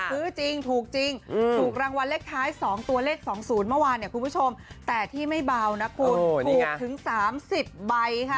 ซื้อจริงถูกจริงถูกรางวัลเลขท้าย๒ตัวเลข๒๐เมื่อวานเนี่ยคุณผู้ชมแต่ที่ไม่เบานะคุณถูกถึง๓๐ใบค่ะ